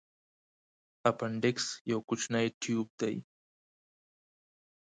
اپنډکس یو کوچنی تیوب دی.